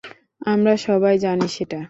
আমরা সবাই জানি সেটা।